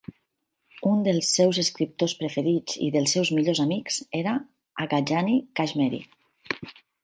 Un dels seus escriptors preferits i dels seus millors amics era Aghajani Kashmeri.